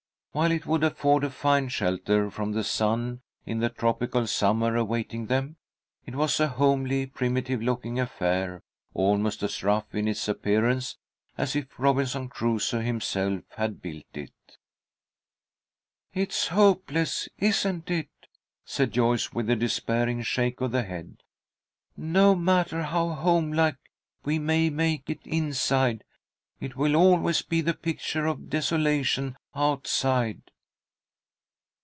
While it would afford a fine shelter from the sun in the tropical summer awaiting them, it was a homely, primitive looking affair, almost as rough in its appearance as if Robinson Crusoe himself had built it. "It's hopeless, isn't it!" said Joyce, with a despairing shake of the head. "No matter how homelike we may make it inside, it will always be the picture of desolation outside."